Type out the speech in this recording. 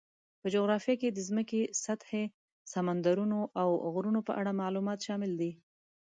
په جغرافیه کې د ځمکې سطحې، سمندرونو، او غرونو په اړه معلومات شامل دي.